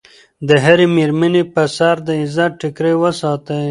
د هرې مېرمنې په سر د عزت ټیکری وساتئ.